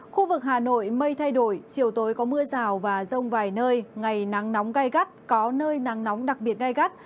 khu vực hà nội mây thay đổi chiều tối có mưa rào và rông vài nơi ngày nắng nóng gai gắt có nơi nắng nóng đặc biệt gai gắt